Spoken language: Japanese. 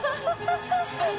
ハハハ